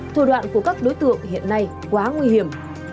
thủ đoạn của các đối tượng hiện nay quá nguy hiểm